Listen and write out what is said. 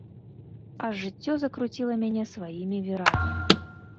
А жыццё закруціла мяне сваімі вірамі.